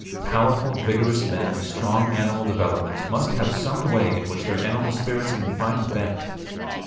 Powerful, vigorous men of strong animal development must have some way in which their animal spirits can find vent.